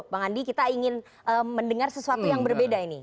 bang andi kita ingin mendengar sesuatu yang berbeda ini